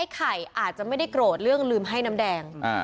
ไข่อาจจะไม่ได้โกรธเรื่องลืมให้น้ำแดง